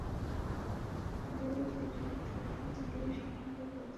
স্বীকৃত টি-টোয়েন্টির দ্রুততম সেঞ্চুরির সঙ্গে সঙ্গে দ্রুততম ফিফটির রেকর্ডটিও এখন গেইলের।